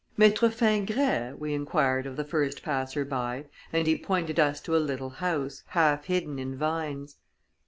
"Mâitre Fingret?" we inquired of the first passer by, and he pointed us to a little house, half hidden in vines.